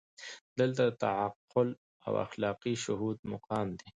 دلته د تعقل او اخلاقي شهود مقام دی.